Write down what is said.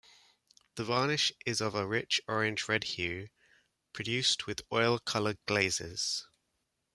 The varnish is of a rich orange-red hue, produced with oil color glazes.